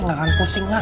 mereka kan pusing lah